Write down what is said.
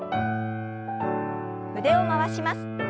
腕を回します。